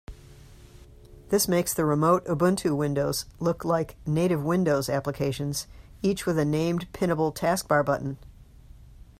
This makes the remote Ubuntu windows look like native Windows applications, each with a named pinnable taskbar button.